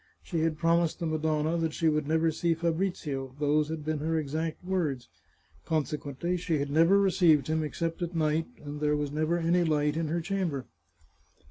She had promised the Madonna that she would never see Fabrizio; those had been her exact words. Consequently she had never received him except at night, and there was never any light in her chamber.